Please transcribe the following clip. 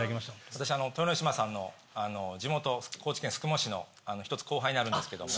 私豊ノ島さんの地元高知県宿毛市の１つ後輩になるんですけども。